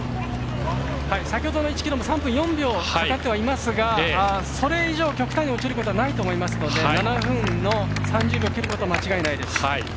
先ほどの１ｋｍも３分４秒かかってはいますがそれ以上極端に落ちることはないと思うので２時間７分３０秒切ることは間違いないです。